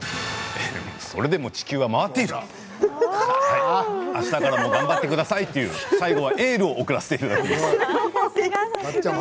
それでも地球は回っているあしたからも頑張ってくださいという最後はエールを送らせていただきます。